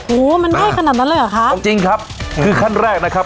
โหมันง่ายขนาดนั้นเลยเหรอคะเอาจริงครับคือขั้นแรกนะครับ